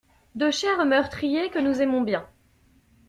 De chers meurtriers que nous aimons bien.